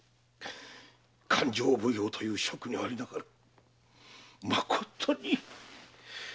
勘定奉行という職にありながらまことに恥じ入るばかり。